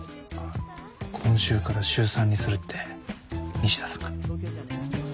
今週から週３にするって西田さんが。